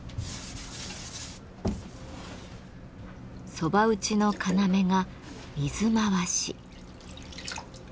蕎麦打ちの要が「水回し」。